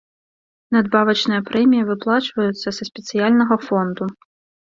Надбавачныя прэміі выплачваюцца са спецыяльнага фонду.